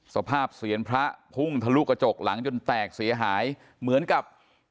เสียนพระพุ่งทะลุกระจกหลังจนแตกเสียหายเหมือนกับ